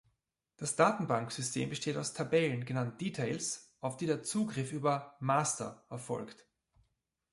Das Datenbanksystem besteht aus Tabellen, genannt "details", auf die der Zugriff über "master" erfolgt.